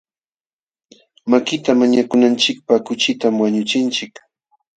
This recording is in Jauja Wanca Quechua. Makita mañakunachikpaq kuchitam wañuchinchik.